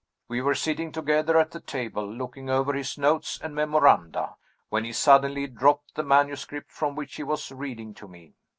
We were sitting together at the table, looking over his notes and memoranda, when he suddenly dropped the manuscript from which he was reading to me.